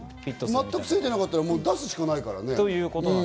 全くついてなかったら出すしかないからね。